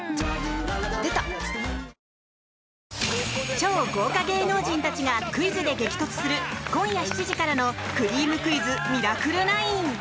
超豪華芸能人たちがクイズで激突する今夜７時からの「くりぃむクイズミラクル９」。